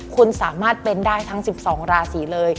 คุณสามารถเป็นได้ทั้ง๑๒ราศีเลย